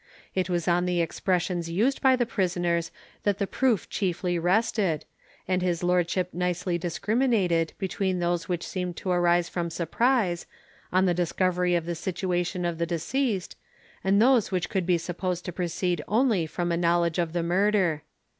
It was on the expressions used by the prisoners that the proof chiefly rested, and his lordship nicely discriminated between those which seemed to arise from surprise, on the discovery of the situation of the deceased, and those which could be supposed to proceed only from a knowledge of the murder.